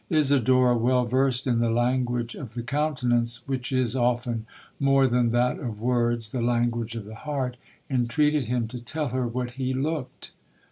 Isidora, well versed in the language of the countenance, which is often, more than that of words, the language of the heart, intreated him to tell her what he looked.